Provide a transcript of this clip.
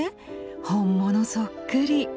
本物そっくり。